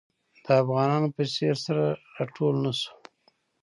د افغانانو په څېر سره راټول نه شو.